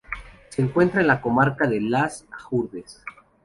Se encuentra en la comarca de Las Hurdes.